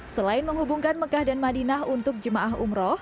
selain menghubungkan mekah dan madinah untuk jemaah umroh